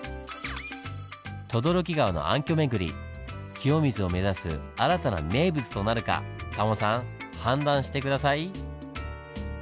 轟川の暗渠めぐり清水を目指す新たな名物となるかタモさん判断して下さい！